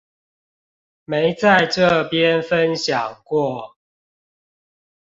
沒在這邊分享過